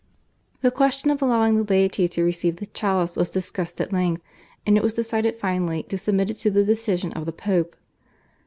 The question of allowing the laity to receive the chalice was discussed at length, and it was decided finally to submit it to the decision of the Pope.